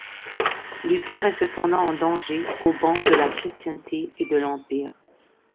Luther est cependant en danger, au ban de la chrétienté et de l'Empire.